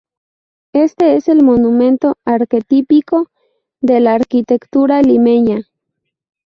Este es el monumento arquetípico de la arquitectura limeña.